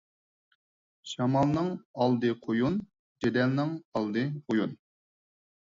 شامالنىڭ ئالدى قۇيۇن، جېدەلنىڭ ئالدى ئويۇن.